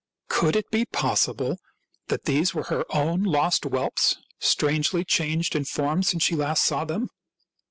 Could it be possible that these were her own lost whelps, strangely changed in form since she last saw them